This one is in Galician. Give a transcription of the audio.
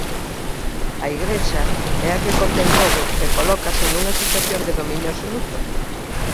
A Igrexa é a que contén todo e colócase nunha situación de dominio absoluto.